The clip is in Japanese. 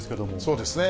そうですね。